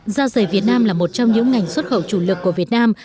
gia giày việt nam là một trong những ngành xuất khẩu chủ lực của việt nam